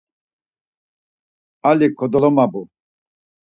Ali kodolomabu.